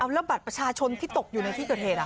แล้วบัตรประชาชนที่ตกอยู่ในที่เกิดเหตุ